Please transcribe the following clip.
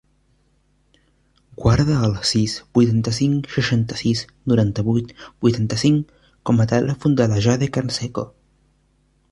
Guarda el sis, vuitanta-cinc, seixanta-sis, noranta-vuit, vuitanta-cinc com a telèfon de la Jade Canseco.